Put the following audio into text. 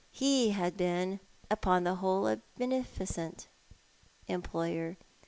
He had been, upon the whole, a beneficent employer.